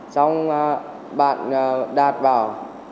xong bạn đạt bảo